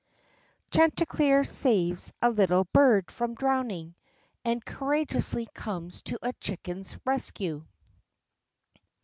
CHANTICLEER SAVES A LITTLE BIRD FROM DROWNING, AND COURAGEOUSLY COMES TO A CHICKEN'S RESCUE.